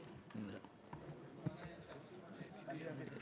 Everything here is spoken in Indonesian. pak ketua ya baik baik